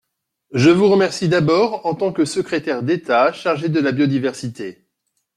Je vous remercie d’abord en tant que secrétaire d’État chargée de la biodiversité.